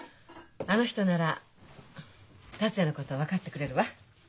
あの人なら達也のこと分かってくれるわ。